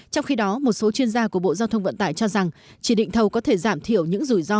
trong khi đó một số chuyên gia của bộ giao thông vận tải cho rằng chỉ định thầu có thể giảm thiểu những rủi ro